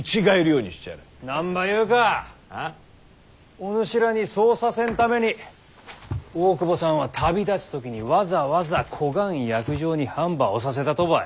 お主らにそうさせんために大久保さんは旅立つ時にわざわざこがん約定に判ば押させたとばい。